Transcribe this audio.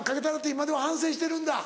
今では反省してるんだ。